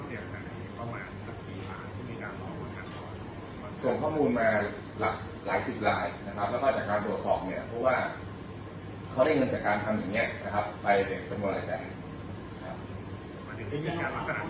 มีการลักษณะดีกับเขาค่ะหรือว่าได้มอบเกี่ยวกับการปิดเงินเหมือนกัน